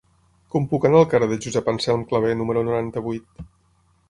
Com puc anar al carrer de Josep Anselm Clavé número noranta-vuit?